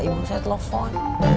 ibu saya telepon